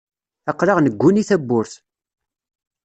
Aql-aɣ negguni tawwurt.